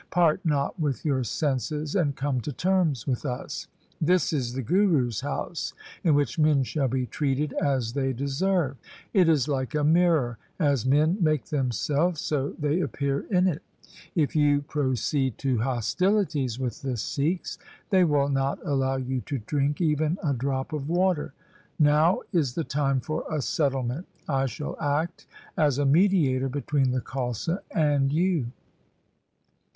Part not with your senses and come to terms with us. This is the Guru's house, in which men shall be treated as they deserve. It is like a mirror. As men make themselves so they appear in it. If you proceed to hostilities with the Sikhs, they will not allow you to drink even a drop of water. Now is the time for a settlement. I shall act as a mediator between the Khalsa and you.